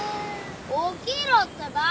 起きろってば。